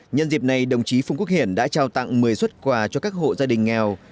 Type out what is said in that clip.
nhân dịp này đồng chí phùng quốc hiển đã trao tặng một mươi xuất quà cho các hộ gia đình nghèo